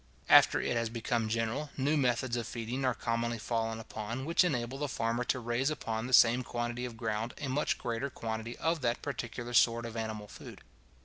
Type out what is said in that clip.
After it has become general, new methods of feeding are commonly fallen upon, which enable the farmer to raise upon the same quantity of ground a much greater quantity of that particular sort of animal food.